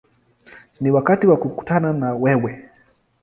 Ni wakati wa kukutana na wewe”.